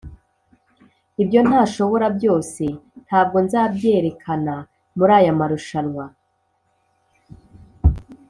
Ibyo ntashobora byose, ntabwo nzabyerekana muri aya marushanwa